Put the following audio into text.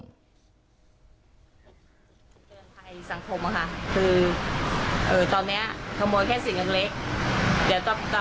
สังคมสังคมค่ะคือเอ่อตอนเนี้ยขโมยแค่สินเงินเล็ก